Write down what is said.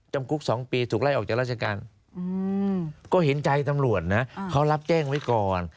จำคุก๒ปีถูกไล่ออกจากราชการก็เห็นใจตำรวจนะเขารับแจ้งไว้ก่อน